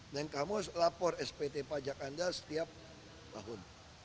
dan kamu lapor spt pajak anda setiap tahun